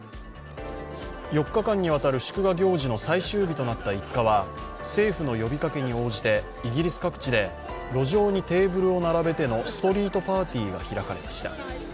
４日間にわたる祝賀行事の最終日となった５日は政府の呼びかけに応じてイギリス各地で路上にテーブルを並べてのストリートパーティーが開かれました。